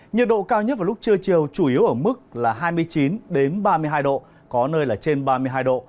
nhiệt độ cao nhất vào lúc trưa chiều chủ yếu ở mức là hai mươi chín ba mươi hai độ có nơi là trên ba mươi hai độ